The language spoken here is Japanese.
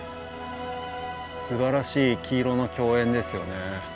すばらしい黄色の競演ですよね。